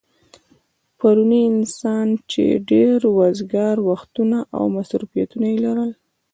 پرونی انسان چې ډېر وزگار وختونه او مصروفيتونه يې لرل